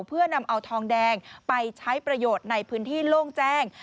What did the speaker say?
เพื่อนำเอาทองแดงไปใช้ประโยชน์ในพื้นที่โล่งแจ้ง